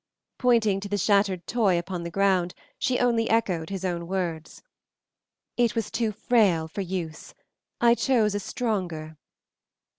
Pointing to the shattered toy upon the ground, she only echoed his own words. "It was too frail for use I chose a stronger."